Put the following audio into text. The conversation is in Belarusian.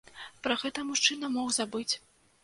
Пра гэта мужчына мог забыць.